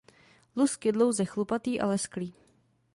Lusk je dlouze chlupatý a lesklý.